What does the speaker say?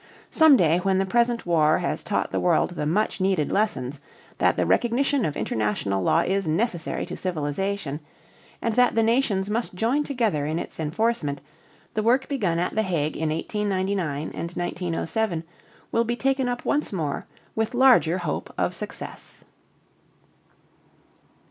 Some day when the present war has taught the world the much needed lessons that the recognition of international law is necessary to civilization, and that the nations must join together in its enforcement, the work begun at The Hague in 1899 and 1907 will be taken up once more with larger hope of success.